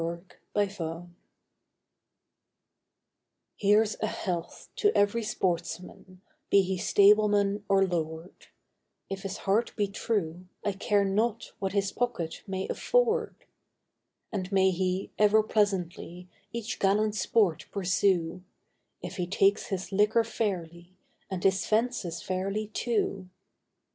A Hunting Song Here's a health to every sportsman, be he stableman or lord, If his heart be true, I care not what his pocket may afford; And may he ever pleasantly each gallant sport pursue, If he takes his liquor fairly, and his fences fairly, too.